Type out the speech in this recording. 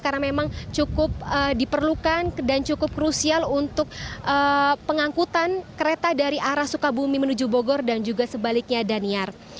karena memang cukup diperlukan dan cukup krusial untuk pengangkutan kereta dari arah sukabumi menuju bogor dan juga sebaliknya daniar